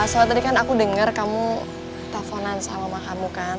soalnya tadi kan aku denger kamu telfonan sama mama kamu kan